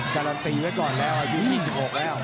การันตีไว้ก่อนแล้วอายุ๒๖แล้ว